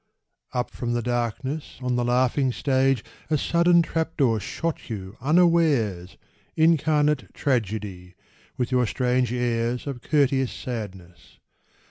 Up from the darkness on the laughing stage A sudden trap door shot you unawares, Incarnate Tragedy, with your strange airs Of courteous sadness.